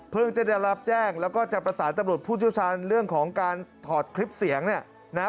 จะได้รับแจ้งแล้วก็จะประสานตำรวจผู้เชี่ยวชาญเรื่องของการถอดคลิปเสียงเนี่ยนะฮะ